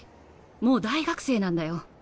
もう大学生なんだよ。